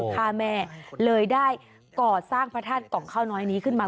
ฆ่าแม่เลยได้ก่อสร้างพระธาตุกล่องข้าวน้อยนี้ขึ้นมา